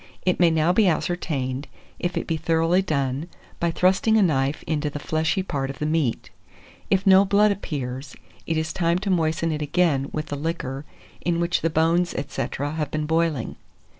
It may now be ascertained if it be thoroughly done by thrusting a knife into the fleshy part of the meat. If no blood appears, it is time to moisten it again with the liquor in which the bones, &c. have been boiling.